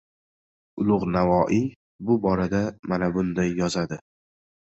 Ulug‘ Navoiy bu borada mana bunday yozadi: